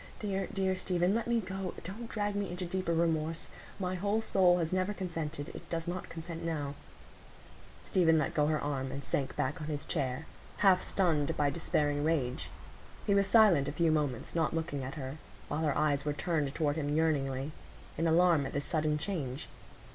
Dear, dear Stephen, let me go!—don't drag me into deeper remorse. My whole soul has never consented; it does not consent now." Stephen let go her arm, and sank back on his chair, half stunned by despairing rage. He was silent a few moments, not looking at her; while her eyes were turned toward him yearningly, in alarm at this sudden change.